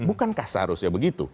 bukankah seharusnya begitu